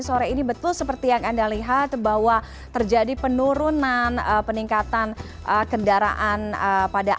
sore ini betul seperti yang anda lihat bahwa terjadi penurunan peningkatan kendaraan pada